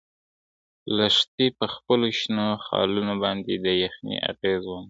لښتې په خپلو شنو خالونو باندې د یخنۍ اغیز وموند.